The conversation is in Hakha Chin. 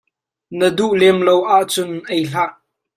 Na duh lemlo ahcun ei hlah.